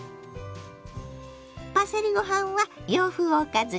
パセリご飯は洋風おかずにピッタリ。